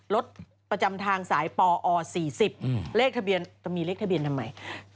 รถประจำทางสายปอ๔๐เลขทะเบียนจะมีเลขทะเบียนทำไม